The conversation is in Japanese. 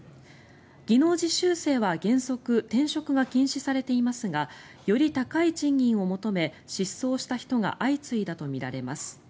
技能実習生は原則転職が禁止されていますがより高い賃金を求め失踪した人が相次いだとみられます。